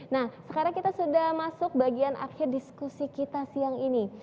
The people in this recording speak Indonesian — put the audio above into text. nah sekarang kita sudah masuk bagian akhir diskusi kita siang ini